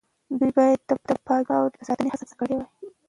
دوی باید د پاکې خاورې د ساتنې هڅه کړې وای.